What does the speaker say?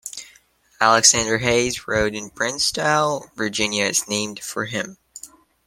Alexander Hays Road in Bristow, Virginia, is named for him.